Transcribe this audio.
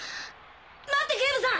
待って警部さん！